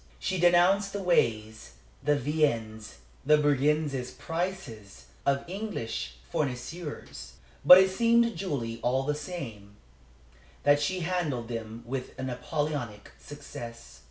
She denounced the ways, the viands, the brigand's prices of English fournisseurs, but it seemed to Julie, all the same, that she handled them with a Napoleonic success.